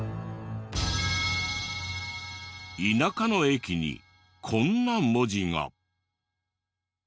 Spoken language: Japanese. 田舎の駅にこんな文字が。